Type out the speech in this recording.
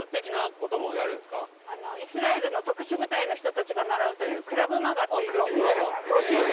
イスラエルの特殊部隊の人たちが習うというクラヴマガっていう。